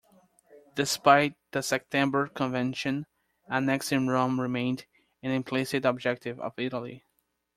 Despite the September Convention, annexing Rome remained an implicit objective of Italy.